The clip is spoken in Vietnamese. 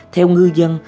theo ngư dân